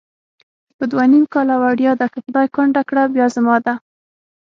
په دوه نیم کله وړیا ده، که خدای کونډه کړه بیا زما ده